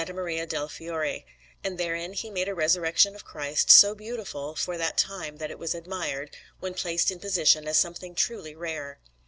Maria del Fiore; and therein he made a Resurrection of Christ, so beautiful for that time that it was admired, when placed in position, as something truly rare.